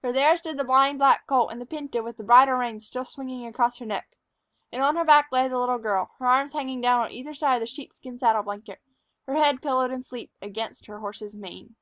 For there stood the blind black colt and the pinto with the bridle reins still swinging across her neck. And on her back lay the little girl, her arms hanging down on either side of the sheepskin saddle blanket, her head pillowed in sleep against her horse's mane.